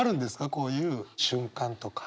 こういう瞬間とか。